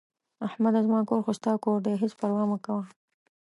احمده زما کور خو ستاسو خپل کور دی، هېڅ پروا مه کوه...